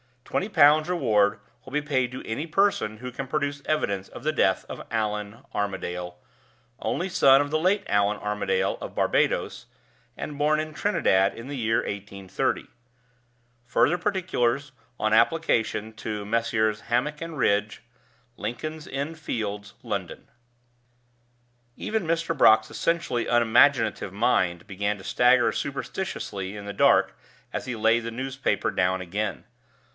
Twenty Pounds reward will be paid to any person who can produce evidence of the death of ALLAN ARMADALE, only son of the late Allan Armadale, of Barbadoes, and born in Trinidad in the year 1830. Further particulars on application to Messrs. Hammick and Ridge, Lincoln's Inn Fields, London. Even Mr. Brock's essentially unimaginative mind began to stagger superstitiously in the dark as he laid the newspaper down again.